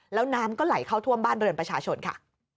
แล้วน้ำก็ไหลเข้าท่วมบ้านเรือนประชาชนค่ะ